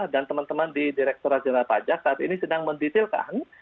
dan teman teman di direkturat jenderal pajak saat ini sedang mendetailkan